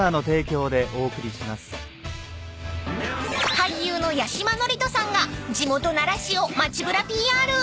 ［俳優の八嶋智人さんが地元奈良市を街ぶらＰＲ］